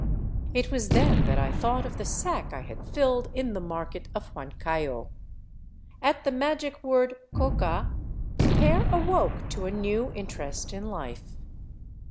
It was then that I thought of the sack I had filled in the market of Huancayo. At the magic word coca " the pair awoke to a new interest in life.